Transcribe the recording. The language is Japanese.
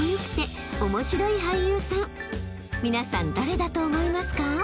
［皆さん誰だと思いますか？］